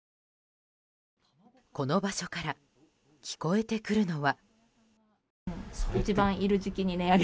この場所から聞こえてくるのは。